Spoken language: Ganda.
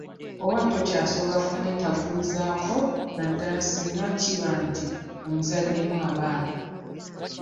Oba tokyasobola kumwetakkuluzaako naddala singa kiba nti omuzaddemu abaana.